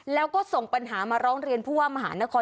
แล้วก็ส่งปัญหามาร้องเรียนผู้ว่ามหานคร